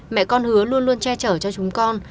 mẹ con hứa luôn luôn che chở cho chúng con